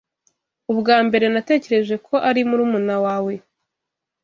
Ubwa mbere, natekereje ko ari murumuna wawe.